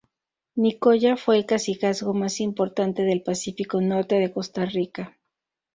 Nicoya fue el cacicazgo más importante del Pacífico norte de Costa Rica.